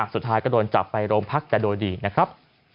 สุดท้ายก็โดนจับไปโรงพักแต่โดยดีนะครับ